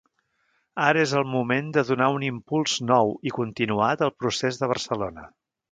Ara és el moment de donar un impuls nou i continuat al Procés de Barcelona.